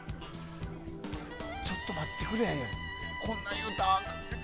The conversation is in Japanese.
ちょっと待ってくれ。